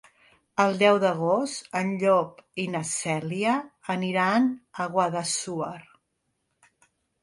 El deu d'agost en Llop i na Cèlia aniran a Guadassuar.